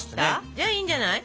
じゃあいいんじゃない？